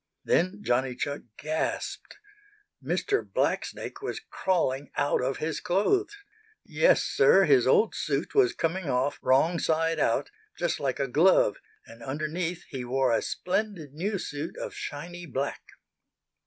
Then Johnny Chuck gasped. Mr. Blacksnake was crawling out of his clothes! Yes, Sir, his old suit was coming off wrong side out, just like a glove, and underneath he wore a splendid new suit of shiny black!